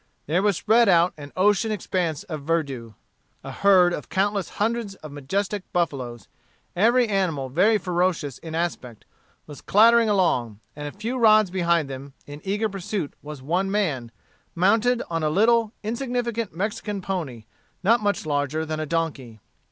There was spread out an ocean expanse of verdure. A herd of countless hundreds of majestic buffaloes, every animal very ferocious in aspect, was clattering along, and a few rods behind them in eager pursuit was one man, mounted on a little, insignificant Mexican pony, not much larger than a donkey.